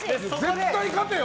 絶対勝てよ！